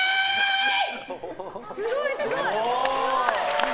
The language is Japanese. すごいすごい！